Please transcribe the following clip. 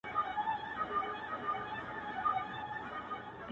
که هر څو یې کړېدی پلار له دردونو؛